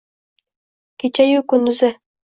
Kechayu kunduzi